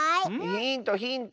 ヒントヒント！